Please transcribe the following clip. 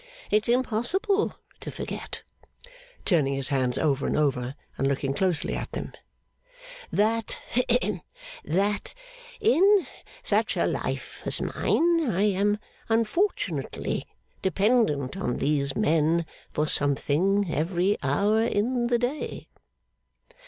It's impossible to forget,' turning his hands over and over and looking closely at them, 'that hem! that in such a life as mine, I am unfortunately dependent on these men for something every hour in the day.